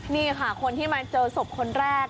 นี่ค่ะคนที่มาเจอศพคนแรก